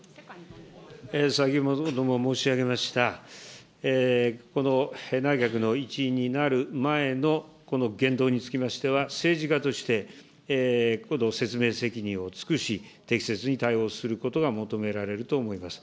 先ほども申し上げました、この内閣の一員になる前のこの言動につきましては、政治家として、説明責任を尽くし、適切に対応することが求められると思います。